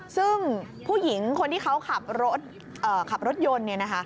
ซึ่งผู้หญิงคนที่เขาขับรถยนต์